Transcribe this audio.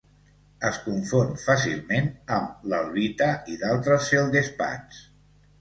Es confon fàcilment amb l'albita i d'altres feldespats.